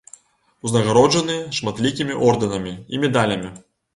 Узнагароджаны шматлікімі ордэнамі і медалямі.